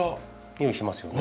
匂いしますよね。